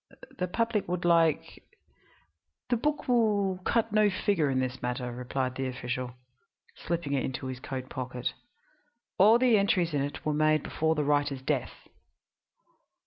The public would like " "The book will cut no figure in this matter," replied the official, slipping it into his coat pocket; "all the entries in it were made before the writer's death."